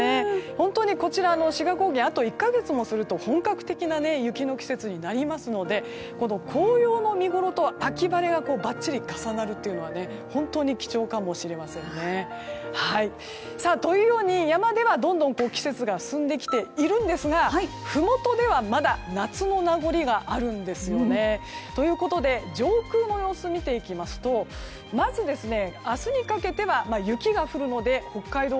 本当にこちらの志賀高原はあと１か月もすると本格的な雪の季節になりますので紅葉の見ごろと、秋晴れがばっちり重なるというのは本当に貴重かもしれませんね。というように山では、どんどん季節が進んできていますがふもとでは、まだ夏の名残があるんですよね。ということで上空の様子を見ていきますとまず、明日にかけては雪が降るので北海道